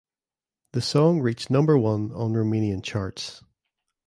The song reached number one on Romanian charts.